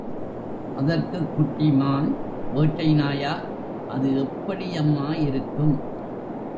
அதற்குக் குட்டி மான், வேட்டை நாயா அது எப்படி யம்மா இருக்கும்?